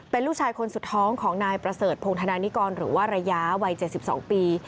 เป็นลูกชายคนสุดท้องของนายประเสริฐพงธนานิกรหรือว่าระยะวัย๗๒ปี